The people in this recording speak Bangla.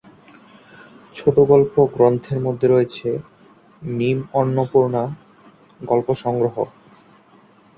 ছোটগল্প গ্রন্থের মধ্যে রয়েছে: "নিম অন্নপূর্ণা", "গল্প সংগ্রহ"।